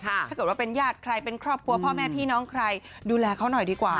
ถ้าเกิดว่าเป็นญาติใครเป็นครอบครัวพ่อแม่พี่น้องใครดูแลเขาหน่อยดีกว่า